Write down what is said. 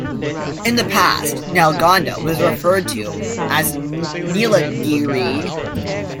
In the past, Nalgonda was referred to as "Nilagiri".